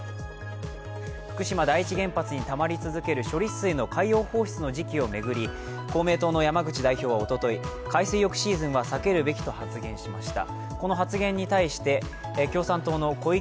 福島第一原発にたまり続ける処理水の海洋放出の時期を巡り、公明党の山口代表はおととい海水浴シーズンは避けるべきと発言しました。